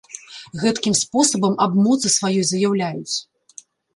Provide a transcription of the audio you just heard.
Гэткім спосабам аб моцы сваёй заяўляюць.